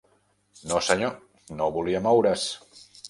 No senyor: no volia moure-s.